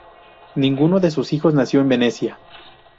Ninguno de sus hijos nació en Venecia.